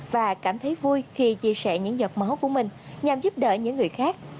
và cảm thấy vui khi chia sẻ những giọt máu của mình nhằm giúp đỡ những người khác